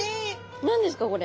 何ですかこれ？